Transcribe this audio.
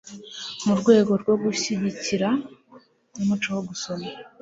mu rwego rwo gushyigikira umuco wo gusoma